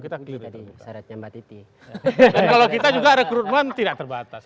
kalau kita juga rekrutmen tidak terbatas